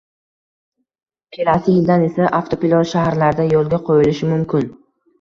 kelasi yildan esa – avtopilot shaharlarda yo‘lga qo‘yilishi mumkin.